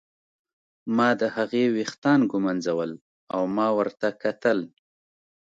ما د هغې ویښتان ږمونځول او ما ورته کتل.